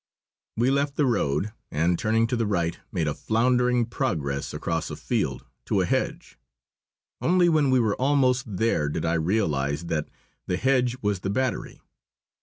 We left the road, and turning to the right made a floundering progress across a field to a hedge. Only when we were almost there did I realise that the hedge was the battery.